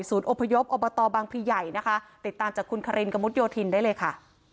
อพยพอบตบางพลีใหญ่นะคะติดตามจากคุณคารินกระมุดโยธินได้เลยค่ะ